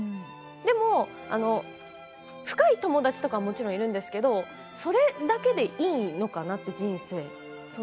でも深い友達とかはもちろんいるんですけれどそれだけでいいのかなって人生。